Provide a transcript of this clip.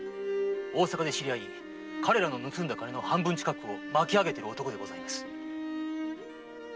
大坂で知り合い彼らの盗んだ金の半分ちかくを巻き上げている男でございます。